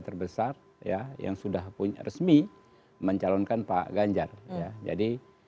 terbesar ya yang sudah resmi mencalonkan pak ganjar ya jadi